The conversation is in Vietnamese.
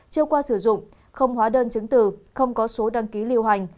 chiêu qua sử dụng không hóa đơn chứng từ không có số đăng ký liêu hành